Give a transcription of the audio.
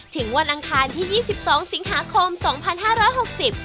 ถึงวันอังคาร๒๒สิงหาคมสงพันห้าร้อยหกสิบ